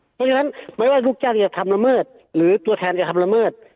เพราะฉะนั้นไม่ว่าลูกจ้างจะทำละเมิดหรือตัวแทนจะทำละเมิด